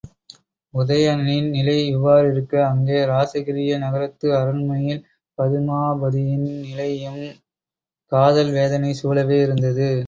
உதயணனின் நிலை இவ்வாறிருக்க அங்கே இராசகிரிய நகரத்து அரண்மனையில் பதுமாபதியின் நிலையும் காதல் வேதனை சூழவே இருந்தது.